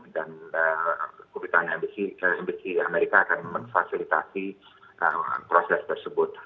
dan keputusan mbc amerika akan memfasilitasi proses tersebut